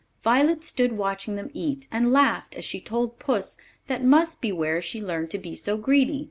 Violet stood watching them eat, and laughed as she told puss that must be where she learned to be so greedy.